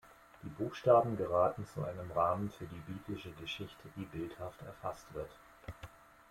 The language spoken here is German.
Die Buchstaben geraten zu einem Rahmen für die biblische Geschichte, die bildhaft erfasst wird.